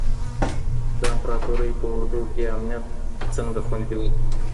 د امپراتورۍ په اوږدو کي امنیت څنګه خوندي و؟